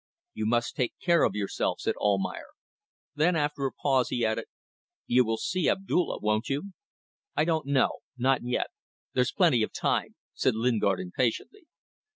"You must take care of yourself," said Almayer. Then after a pause he added: "You will see Abdulla. Won't you?" "I don't know. Not yet. There's plenty of time," said Lingard, impatiently.